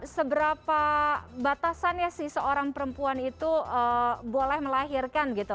seberapa batasannya sih seorang perempuan itu boleh melahirkan gitu